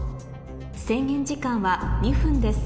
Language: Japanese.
制限時間は２分です